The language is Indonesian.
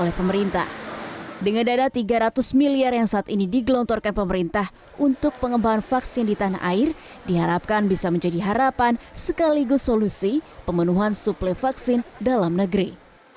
oleh pemerintah dengan dana tiga ratus miliar yang saat ini digelontorkan pemerintah untuk pengembangan vaksin di tanah air diharapkan bisa menjadi harapan sekaligus solusi pemenuhan suplai vaksin dalam negeri